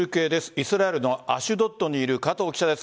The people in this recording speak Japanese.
イスラエルのアシドットにいる加藤記者です。